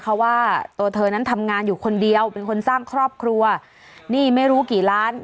เพราะว่าตัวเธอนั้นทำงานอยู่คนเดียวเป็นคนสร้างครอบครัวหนี้ไม่รู้กี่ล้าน